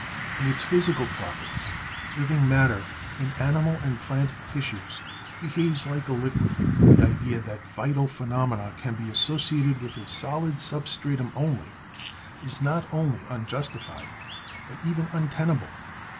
In its physical properties living matter in animal and plant tissues behaves like a liquid. The idea that vital phenomena can be asso 16 BIOLOGY dated with a solid substratum only is not only unjustified, but even untenable.